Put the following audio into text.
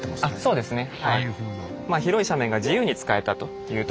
そうですよね。